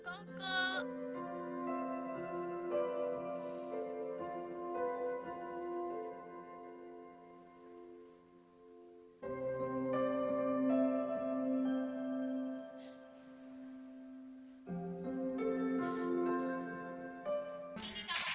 tante tunjukkan kamarnya yuk